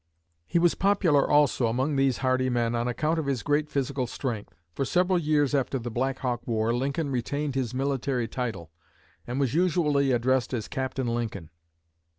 He was popular also among these hardy men on account of his great physical strength. For several years after the Black Hawk War Lincoln retained his military title and was usually addressed as "Captain Lincoln."